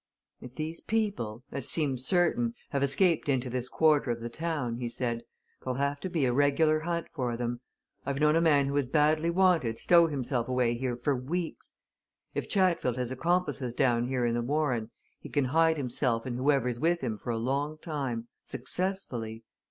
"If these people as seems certain have escaped into this quarter of the town," he said, "there'll have to be a regular hunt for them! I've known a man who was badly wanted stow himself away here for weeks. If Chatfield has accomplices down here in the Warren, he can hide himself and whoever's with him for a long time successfully.